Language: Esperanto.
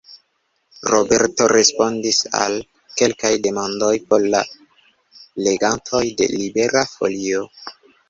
Roberto respondis al kelkaj demandoj por la legantoj de Libera Folio.